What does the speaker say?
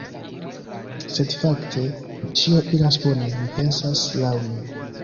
Sed fakte, ĉio iras bone, mi pensas, laŭ mi.